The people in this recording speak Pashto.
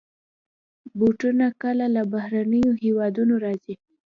بوټونه کله له بهرنيو هېوادونو راځي.